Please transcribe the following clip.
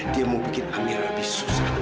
dia mau bikin amira lebih susah